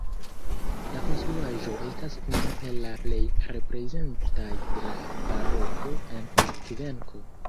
La konstruaĵo estas unu el la plej reprezentaj de la baroko en Kvenko.